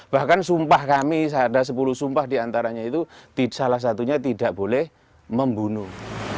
bahkan sumpah kami ada sepuluh sumpah diantaranya itu salah satunya tidak boleh membunuh